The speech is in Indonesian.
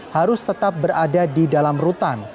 harus tetap berada di dalam rutan